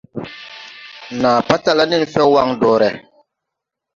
Nàa patala nen fɛw waŋ dɔre.